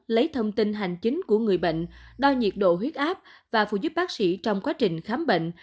lấy thông tin hành chính của người bệnh đo nhiệt độ huyết áp và phụ giúp bác sĩ trong quá trình khám bệnh